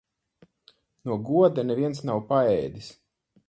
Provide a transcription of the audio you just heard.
No goda neviens nav paēdis.